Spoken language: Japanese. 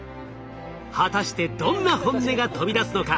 果たしてどんな本音が飛び出すのか？